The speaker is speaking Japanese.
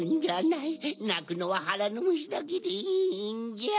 なくのははらのむしだけでいいんじゃ。